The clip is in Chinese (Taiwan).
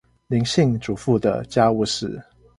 林姓主婦的家務事